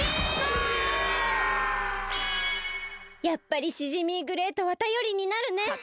やっぱりシジミーグレイトはたよりになるね！